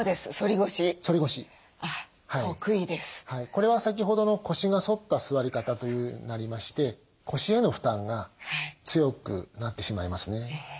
これは先ほどの腰が反った座り方というようになりまして腰への負担が強くなってしまいますね。